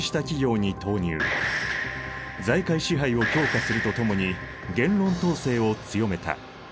財界支配を強化するとともに言論統制を強めた。